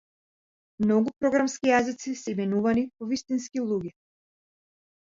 Многу програмски јазици се именувани по вистински луѓе.